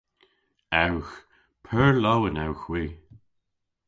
Ewgh. Pur lowen ewgh hwi.